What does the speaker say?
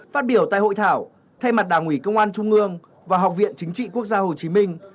phát biểu tại hội thảo thay mặt đảng ủy công an trung ương và học viện chính trị quốc gia hồ chí minh